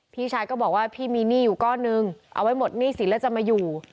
พี่ชายก็บอกว่าพี่มีหนี้อยู่ก้อนนึงเอาไว้หมดหนี้สินแล้วจะมาอยู่